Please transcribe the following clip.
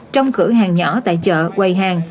trong cửa hàng nhỏ tại chợ quầy hàng